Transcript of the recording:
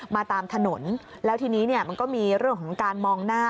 มาตามถนนแล้วทีนี้เนี่ยมันก็มีเรื่องของการมองหน้า